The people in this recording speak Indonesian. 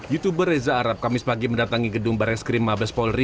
youtuber reza arab kamis pagi mendatangi gedung barreskrim mabes polri